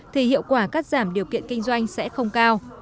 thì hiệu quả cắt giảm điều kiện kinh doanh sẽ không cao